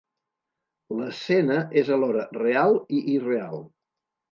L'escena és alhora real i irreal.